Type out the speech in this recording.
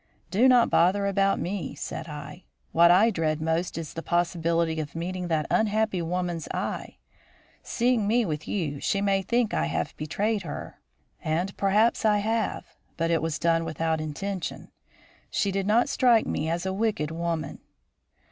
"Do not bother about me," said I. "What I dread most is the possibility of meeting that unhappy woman's eye. Seeing me with you, she may think I have betrayed her. And perhaps I have; but it was done without intention. She did not strike me as a wicked woman."